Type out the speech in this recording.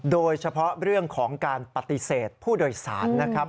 โดยเฉพาะเรื่องของการปฏิเสธผู้โดยสารนะครับ